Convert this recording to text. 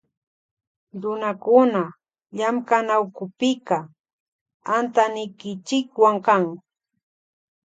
Runakuna llamkanawkupika antanikichikwan kan.